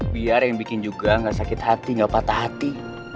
biar yang bikin juga gak sakit hati nggak patah hati